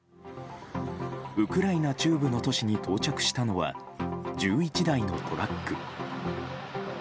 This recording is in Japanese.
ウクライナ中部の都市に到着したのは１１台のトラック。